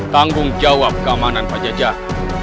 tanggung jawab keamanan pajajah